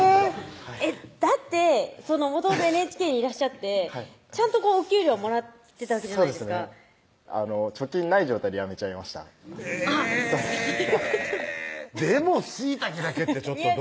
だってもともとＮＨＫにいらっしゃってちゃんとお給料もらってたわけじゃないですか貯金ない状態で辞めちゃいましたえぇでも椎茸だけってどう？